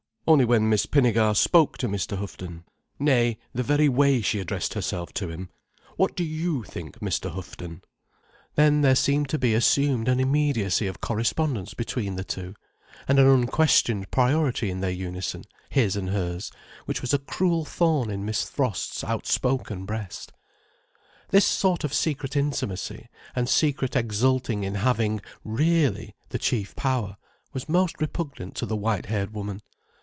Only when Miss Pinnegar spoke to Mr. Houghton—nay, the very way she addressed herself to him—"What do you think, Mr. Houghton?"—then there seemed to be assumed an immediacy of correspondence between the two, and an unquestioned priority in their unison, his and hers, which was a cruel thorn in Miss Frost's outspoken breast. This sort of secret intimacy and secret exulting in having, really, the chief power, was most repugnant to the white haired woman.